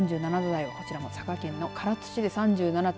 ３７台をこちらも佐賀県の唐津市で３７．３度。